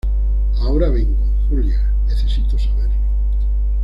ahora vengo. Julia, necesito saberlo.